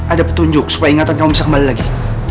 ada petunjuk supaya ingatan kamu bisa kembali lagi